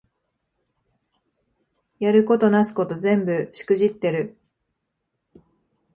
やることなすこと全部しくじってる